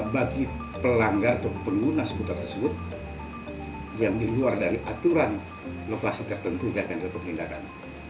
bagi pelanggar atau pengguna skuter tersebut yang di luar dari aturan lokasi tertentu yang diperlindahkan